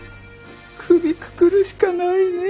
首くくるしかないね。